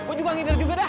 aku juga ngidil juga dah